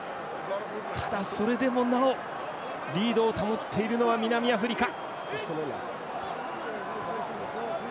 ただ、それでもなおリードを保っているのは南アフリカ。